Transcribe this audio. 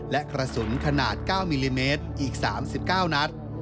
และกระสุนขนาด๙มิลลิเมตรอีก๓๙นัด